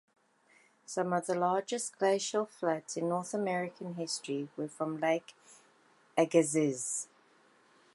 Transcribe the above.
Some of the largest glacial floods in North American history were from Lake Agassiz.